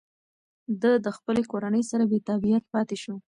ده د خپلې کورنۍ سره بېتابعیت پاتې شو.